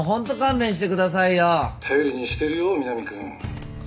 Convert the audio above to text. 頼りにしてるよ南君。